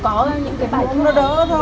có thì cô có máy cho